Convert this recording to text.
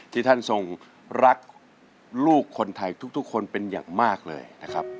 ที่ท่านทรงรักลูกคนไทยทุกคนเป็นอย่างมากเลยนะครับ